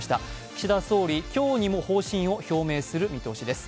岸田総理、今日にも方針を表明する見通しです。